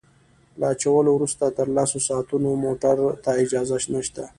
له اچولو وروسته تر لسو ساعتونو موټرو ته اجازه نشته